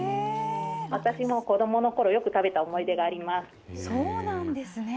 私も子どもころ、よく食べた思い出があります。